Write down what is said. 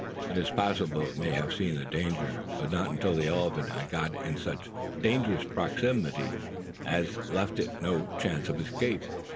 It is possible it may have seen the danger, but not until the elephant had got in such dangerous proximity as left it no chance of escape.